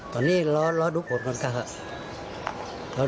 พร้อมที่ลืมตัวมา